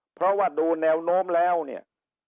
เพราะว่าดูแนวโน้มแล้วเนี่ย